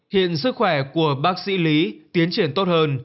hiện sức khỏe của bác sĩ lý tiến triển tốt hơn